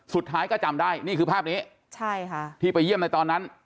สุดท้ายก็จำได้นี่คือภาพนี้ใช่ค่ะที่ไปเยี่ยมในตอนนั้น